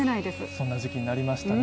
そんな時期になりましたね。